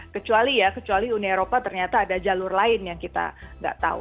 kecuali ya kecuali uni eropa ternyata ada jalur lain yang kita nggak tahu